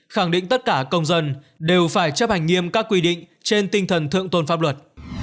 khẳng định tất cả công dân đều phải chấp hành nghiêm các quy định trên tinh thần thượng tôn pháp luật